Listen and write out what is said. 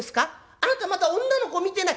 あなたまだ女の子見てない」。